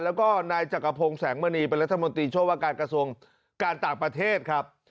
แล้วก็นายจักรพงศ์แสงมณีเป็นรัฐมนตรีช่วยว่าการกระทรวงการต่างประเทศครับ